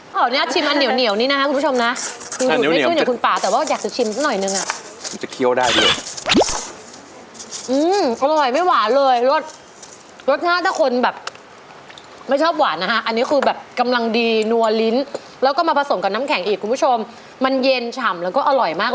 เป็นเป็นยอดที่สูงที่สุดตั้งแต่เคยขายมา